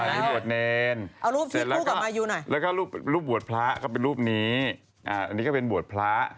อันนี้บวชเรียนแล้วก็รูปบวชพระก็เป็นรูปนี้อันนี้ก็เป็นบวชพระ